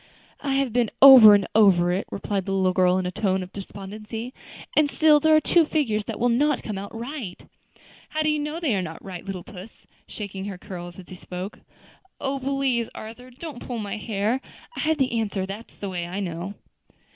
"I have been over and over it," replied the little girl in a tone of despondency, "and still there are two figures that will not come right." "How do you know they are not right, little puss?" shaking her curls as he spoke. "Oh! please, Arthur, don't pull my hair. I have the answer that's the way I know."